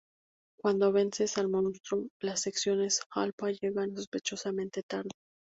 Cuando vences al monstruo, las Secciones Alpha llegan, sospechosamente tarde.